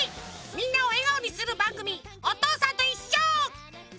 みんなをえがおにするばんぐみ「おとうさんといっしょ」！